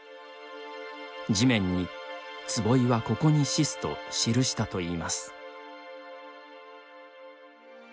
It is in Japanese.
地面に「坪井はここに死す」と記したといいます。